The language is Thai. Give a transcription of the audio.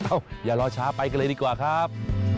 อย่ารอช้าไปกันเลยดีกว่าครับ